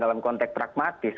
dalam konteks pragmatis